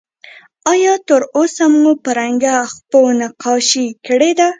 آیا تر اوسه مو په رنګه خپو نقاشي کړې ده؟